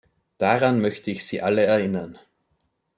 Daran möchte ich Sie alle erinnern.